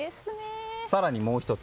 更に、もう１つ。